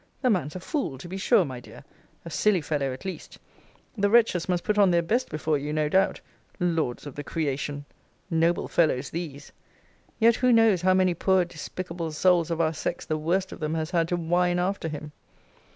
The man's a fool, to be sure, my dear a silly fellow, at least the wretches must put on their best before you, no doubt Lords of the creation! noble fellows these! Yet who knows how many poor despicable souls of our sex the worst of them has had to whine after him!